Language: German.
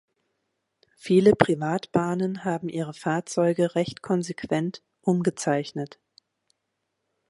Viele Privatbahnen haben ihre Fahrzeuge recht konsequent umgezeichnet.